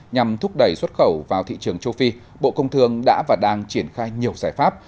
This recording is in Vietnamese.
nhằm thúc đẩy xuất khẩu vào thị trường châu phi bộ công thương đã và đang triển khai nhiều giải pháp